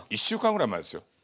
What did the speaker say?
１週間ぐらい前ですよ。